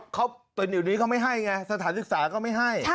เขาเป็นเดี๋ยวนี้เขาไม่ให้ไงสถานศึกษาก็ไม่ให้